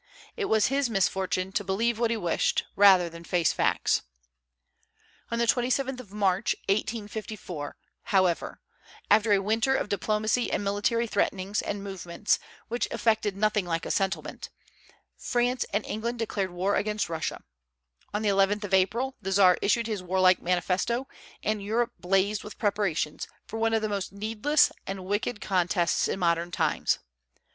It was his misfortune to believe what he wished, rather than face facts. On the 27th of March, 1854, however, after a winter of diplomacy and military threatenings and movements, which effected nothing like a settlement, France and England declared war against Russia; on the 11th of April the Czar issued his warlike manifesto, and Europe blazed with preparations for one of the most needless and wicked contests in modern times.